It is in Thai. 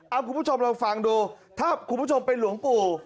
เอาคุณผู้ชมลองฟังดูถ้าคุณผู้ชมเป็นหลวงปู่